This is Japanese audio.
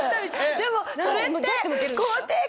でもそれって。